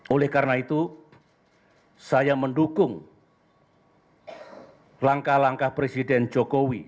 oleh karena itu saya mendukung langkah langkah presiden jokowi